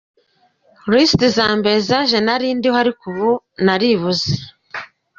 Lisiti za mbere zaje nari ndiho, ariko ubu naribuze.